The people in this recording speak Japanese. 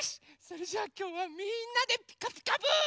それじゃあきょうはみんなで「ピカピカブ！」。